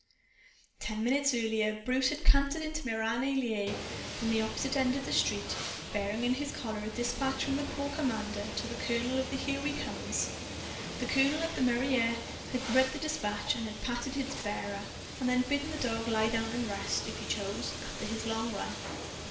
Ten minutes earlier, Bruce had cantered into Meran en Laye from the opposite end of the street, bearing in his collar a dispatch from the corps commander to the colonel of the "Here We Comes." The colonel, at the mairie, had read the dispatch and had patted its bearer; then had bidden the dog lie down and rest, if he chose, after his long run.